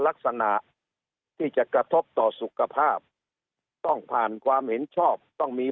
ลักษณะที่จะกระทบต่อสุขภาพต้องผ่านความเห็นชอบต้องมี